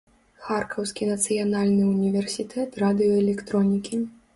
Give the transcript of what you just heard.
Харкаўскі нацыянальны ўніверсітэт радыёэлектронікі.